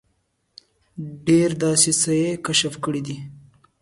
ډېر داسې څه یې کشف کړي دي.